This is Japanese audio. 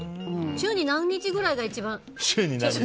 週に何日くらいが一番？